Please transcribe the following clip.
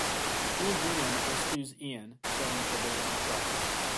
Jules Renan rescues Ian, killing Colbert in the process.